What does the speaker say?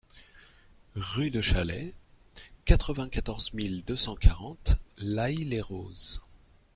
Rue de Chalais, quatre-vingt-quatorze mille deux cent quarante L'Haÿ-les-Roses